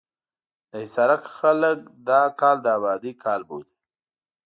د حصارک خلک دا کال د ابادۍ کال بولي.